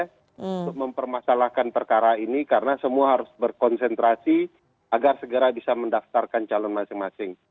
untuk mempermasalahkan perkara ini karena semua harus berkonsentrasi agar segera bisa mendaftarkan calon masing masing